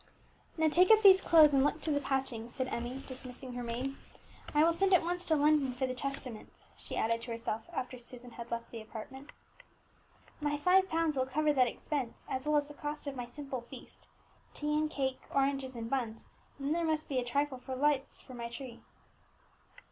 "Now take up these clothes and look to the patching," said Emmie, dismissing her maid. "I will send at once to London for the Testaments," she added to herself after Susan had left the apartment. "My five pounds will cover that expense, as well as the cost of my simple feast, tea and cake, oranges and buns; and then there must be a trifle for lights for my tree."